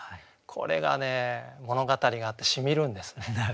これがね物語があってしみるんですね。